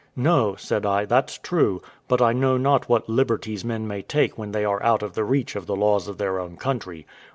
"No," said I, "that's true; but I know not what liberties men may take when they are out of the reach of the laws of their own country."